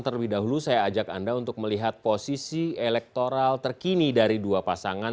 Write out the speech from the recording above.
terlebih dahulu saya ajak anda untuk melihat posisi elektoral terkini dari dua pasangan